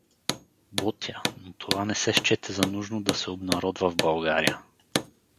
Ботя, но това не се счете за нужно да се обнародва в „България“.